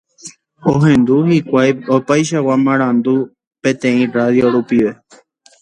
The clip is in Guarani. Ohendu hikuái opaichagua marandu peteĩ radio rupive.